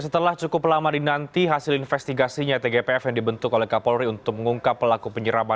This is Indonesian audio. setelah cukup lama dinanti hasil investigasinya tgpf yang dibentuk oleh kapolri untuk mengungkap pelaku penyeraman